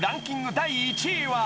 第１位は］